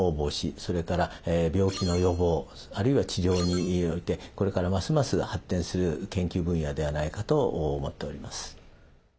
それから病気の予防あるいは治療においてこれからますます発展する研究分野ではないかと思っております。